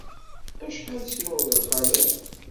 Acḥal sruɣ n lxalat.